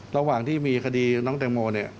ระหว่างที่มีคดีน้องแตงโมเนี่ย